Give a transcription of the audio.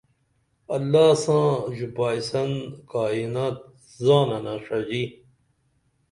اللہ ساں ژوپائیسن کائنات زاننہ ݜژی